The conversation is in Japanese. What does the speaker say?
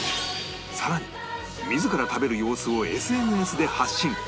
更に自ら食べる様子を ＳＮＳ で発信